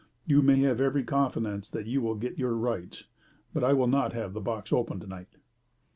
"You may have every confidence that you will get your rights, but I will not have that box opened to night."